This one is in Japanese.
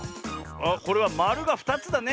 あっこれはまるが２つだね。